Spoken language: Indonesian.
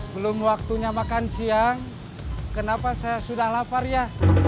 belum waktunya makan siang kenapa saya sudah lapar ya